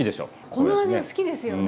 この味は好きですよね。